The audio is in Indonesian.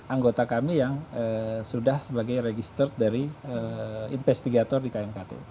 anggota kami yang sudah sebagai register dari investigator di knkt